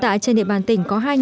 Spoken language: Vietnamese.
trên địa bàn là ba giếng